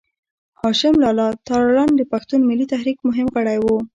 هاشم لالا تارڼ د پښتون ملي تحريک مهم غړی و.